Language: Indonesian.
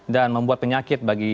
dan membuat penyakit bagi kita